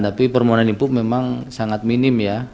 tapi permohonan inpuk memang sangat minim ya